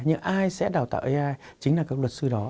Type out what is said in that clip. nhưng ai sẽ đào tạo ai chính là các luật sư đó